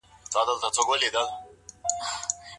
متقابل درناوی څنګه ژوند جوړوي؟